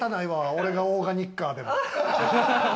俺がオーガニッカーでも。